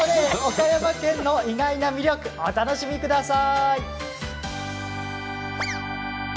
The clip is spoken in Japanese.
岡山県の意外な魅力、お楽しみください。